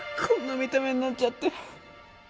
こんな見た目になっちゃって。